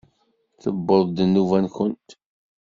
Tewweḍ-d nnuba-nkent!